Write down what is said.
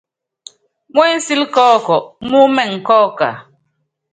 Mú ensíl kɔ́ɔk mú imɛŋ kɔ́ɔka ?